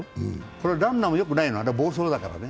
これ、ランナーもよくないの、暴走だからね。